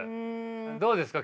どうですか。